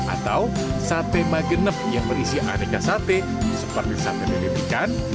atau sate magenep yang berisi aneka sate seperti sate bede ikan